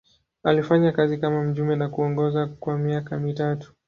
Alifanya kazi kama mjumbe na kuongoza kwa miaka mitatu.